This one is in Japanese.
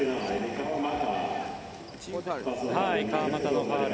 川真田のファウル。